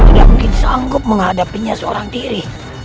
tidak mungkin sanggup menghadapinya seorang diri